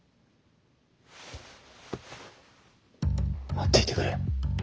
待っていてくれ。